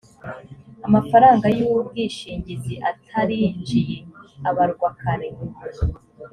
amafaranga y’ubwishingizi atarinjiye abarwa kare